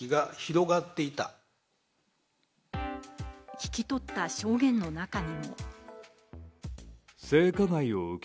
聞き取った証言の中に。